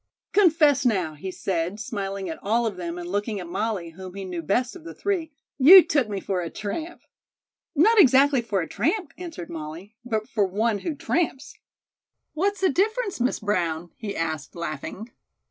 "Confess now," he said, smiling at all of them and looking at Molly, whom he knew best of the three, "you took me for a tramp?" "Not exactly for a tramp," answered Molly; "but for one who tramps." "What's the difference, Miss Brown?" he asked laughing.